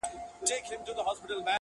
نه دي پوښتنه ده له چا کړې-